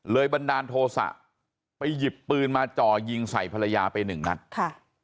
บันดาลโทษะไปหยิบปืนมาจ่อยิงใส่ภรรยาไปหนึ่งนัดค่ะ